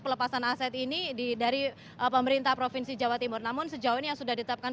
pelepasan aset ini dari pemerintah provinsi jawa timur namun sejauh ini yang sudah ditetapkan